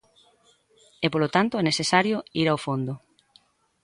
E, polo tanto, é necesario ir ao fondo.